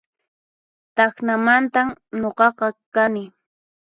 Tacnamantan nuqaqa kani